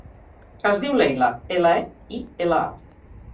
Es diu Leila: ela, e, i, ela, a.